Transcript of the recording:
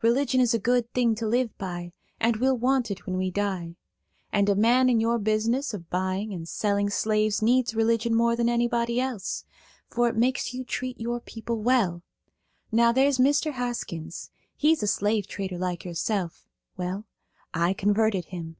Religion is a good thing to live by, and we'll want it when we die. And a man in your business of buying and selling slaves needs religion more than anybody else, for it makes you treat your people well. Now there's Mr. Haskins–he's a slave trader like yourself. Well, I converted him.